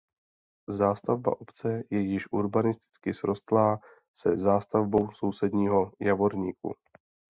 Zástavba obce je již urbanisticky srostlá se zástavbou sousedního Javorníku.